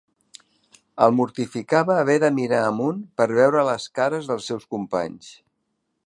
El mortificava haver de mirar amunt per veure les cares dels seus companys.